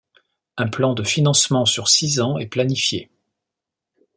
Un plan de financement sur six ans est planifié.